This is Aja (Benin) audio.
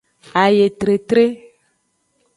Ayetretre.